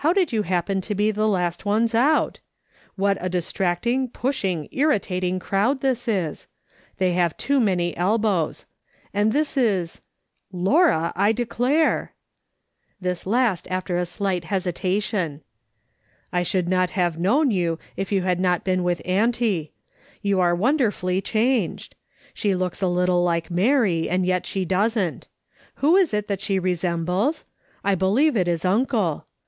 How did you happen to be the last ones out ? What a distracting, pushing, irritating crowd this is ! They have too many elbows. And this is — Laura, I declare !" This last after a slight hesitation. " I "WHOM HAVE WE HERE?' 83 should not have known 3'ou if you had not been with auntie. You are wonderfully changed. She looks a little like INIary, and yet she doesn't. Who is it that she resembles ? I believe it is uncle.